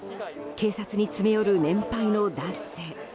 警察に詰め寄る年配の男性。